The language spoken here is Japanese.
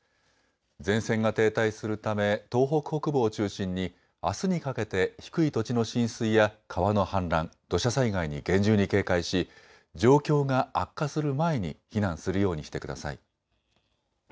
前線が停滞するため東北北部を中心にあすにかけて低い土地の浸水や川の氾濫、土砂災害に厳重に警戒し状況が悪化する前に避難するようにしてください。